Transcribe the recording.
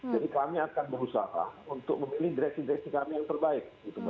jadi kami akan berusaha untuk memilih direksi direksi kami yang terbaik